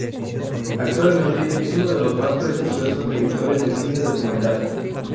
Actualmente, es uno de los más prestigiosos directores de cine documental.